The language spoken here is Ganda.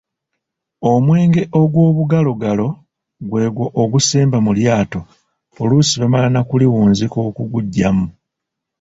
Omwenge ogw'obugalogalo gw'egwo ogusemba mu lyato oluusi bamala na kuliwunzika okuguggyamu.